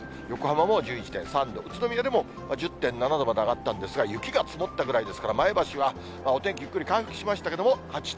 横浜も１１．３度、宇都宮でも１０．７度まで上がったんですが、雪が積もったぐらいですから、前橋はお天気ゆっくり回復しましたけれども、